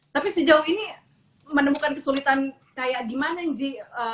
tapi sejauh ini menemukan kesulitan kayak gimana nji